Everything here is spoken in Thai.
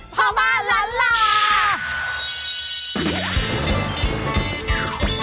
ฮัมมาลาล่า